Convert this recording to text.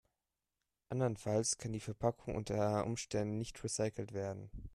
Andernfalls kann die Verpackung unter Umständen nicht recycelt werden.